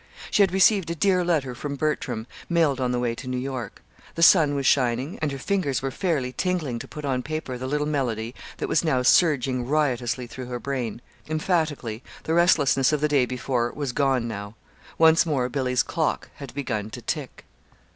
She had received a dear letter from Bertram (mailed on the way to New York), the sun was shining, and her fingers were fairly tingling to put on paper the little melody that was now surging riotously through her brain. Emphatically, the restlessness of the day before was gone now. Once more Billy's "clock" had "begun to tick."